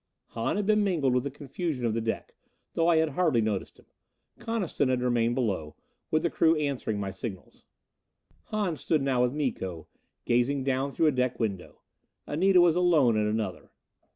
Hahn had been mingled with the confusion of the deck, though I had hardly noticed him; Coniston had remained below, with the crew answering my signals. Hahn stood now with Miko, gazing down through a deck window. Anita was alone at another.